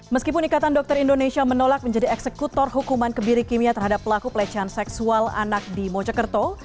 meskipun ikatan dokter indonesia menolak menjadi eksekutor hukuman kebiri kimia terhadap pelaku pelecehan seksual anak di mojokerto